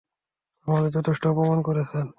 আমাদের যথেষ্ট অপমান করেছেন।